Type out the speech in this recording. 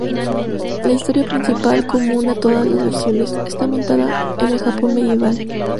La historia principal, común a todas las versiones, está ambientada en el Japón medieval.